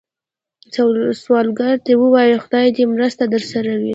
سوالګر ته ووايئ “خدای دې مرسته درسره وي”